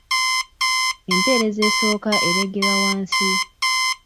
empeerezi esooka ereegerwa wansi